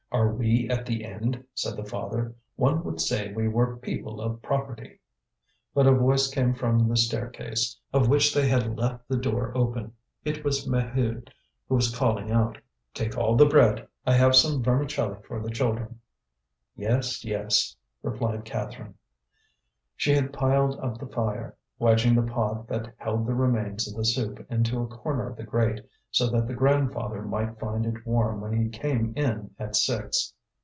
"Are we at the end?" said the father; "one would say we were people of property." But a voice came from the staircase, of which they had left the door open. It was Maheude, who called out: "Take all the bread: I have some vermicelli for the children." "Yes, yes," replied Catherine. She had piled up the fire, wedging the pot that held the remains of the soup into a corner of the grate, so that the grandfather might find it warm when he came in at six.